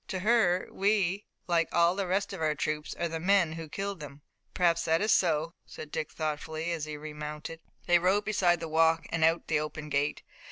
"To her we, like all the rest of our troops, are the men who killed them." "Perhaps that is so," said Dick thoughtfully, as he remounted. They rode beside the walk and out at the open gate.